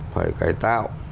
phải cải tạo